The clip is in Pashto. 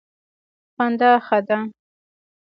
خندا ښه ده.